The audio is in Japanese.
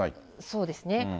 そうですね。